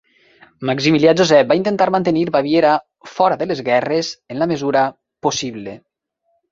Maximilià Josep va intentar mantenir Baviera fora de les guerres, en la mesura possible.